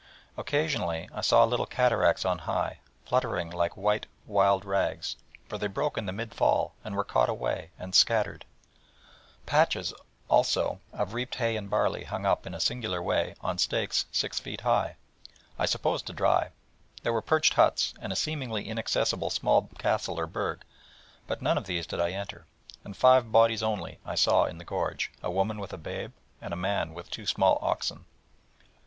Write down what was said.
Occasionally, I saw little cataracts on high, fluttering like white wild rags, for they broke in the mid fall, and were caught away, and scattered; patches also of reaped hay and barley, hung up, in a singular way, on stakes six feet high, I suppose to dry; there were perched huts, and a seemingly inaccessible small castle or burg, but none of these did I enter: and five bodies only I saw in the gorge, a woman with a babe, and a man with two small oxen.